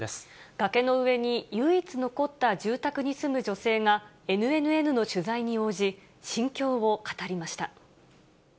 崖の上に唯一残った住宅に住む女性がＮＮＮの取材に応じ、心境を語りました。